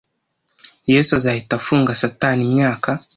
Yesu azahita afunga Satani imyaka